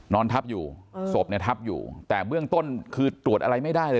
นอนทับอยู่ศพเนี่ยทับอยู่แต่เบื้องต้นคือตรวจอะไรไม่ได้เลย